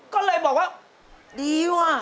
ก็เลยบอกว่าดีว่ะ